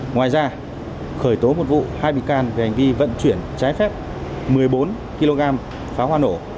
ngoài ra khởi tố một vụ hai bị can về hành vi vận chuyển trái phép một mươi bốn kg pháo hoa nổ